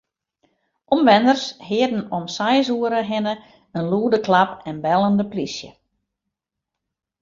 Omwenners hearden om seis oere hinne in lûde klap en bellen de plysje.